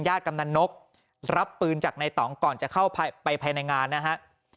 กำนันนกรับปืนจากในต่องก่อนจะเข้าไปภายในงานนะฮะ